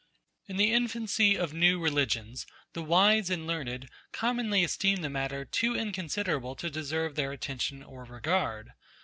In the infancy of new religions, the wise and learned commonly esteem the matter too inconsiderable to deserve their attention or regard.